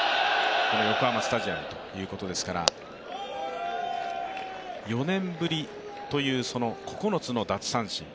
この横浜スタジアムということですから、４年ぶりという９つの奪三振。